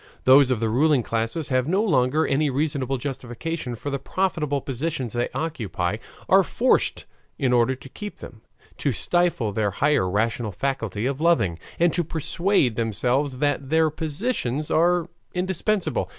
Those of the ruling classes, having no longer any reasonable justification for the profitable positions they occupy, are forced, in order to keep them, to stifle their higher rational faculty of loving, and to persuade themselves that their positions are indispensable.